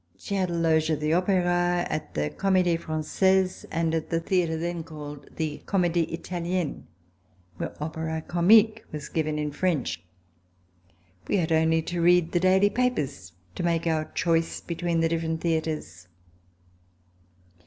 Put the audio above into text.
She had a loge at the Opera, at the Comedie Fran^aise and at the theatre then called the Comedie Italienne where opera comique was given in French. We had only to read the daily papers to make our choice between the different theatres.